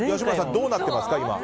どうなってますか？